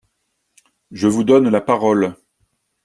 Je vous donne la parole.